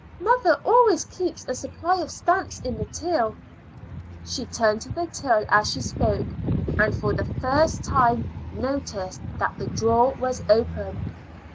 "Mother always keeps a supply of stamps in the till." She turned to the till as she spoke, and for the first time noticed that the drawer was open.